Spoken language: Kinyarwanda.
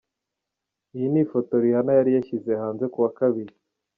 Iyi ni yo foto Rihanna yari yashyize hanze ku wa Kabiri.